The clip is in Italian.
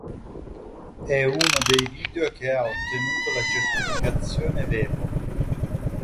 È uno dei video che ha ottenuto la certificazione Vevo.